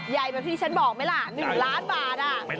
ใหญ่เหมือนที่ฉันบอกไหมล่ะ๑ล้านบาท